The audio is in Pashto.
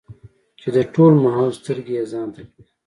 چې د ټول ماحول سترګې يې ځان ته کړې ـ